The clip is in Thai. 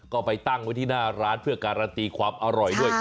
ก็ไปตั้งไว้ที่หน้าร้านเพื่อการันตีความอร่อยด้วย